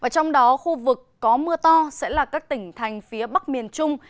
trong đó khu vực có mưa to sẽ là các tỉnh thành phía bắc miền trung